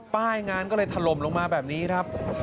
ป้ายงานก็เลยถล่มลงมาแบบนี้ครับ